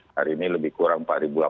hari ini lebih kurang empat delapan ratus